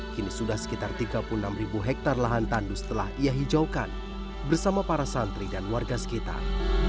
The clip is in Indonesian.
kini sudah sekitar tiga puluh enam hektare lahan tandus telah ia hijaukan bersama para santri dan warga sekitar